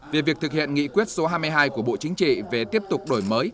về việc thực hiện nghị quyết số hai mươi hai của bộ chính trị về tiếp tục đổi mới